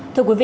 thưa quý vị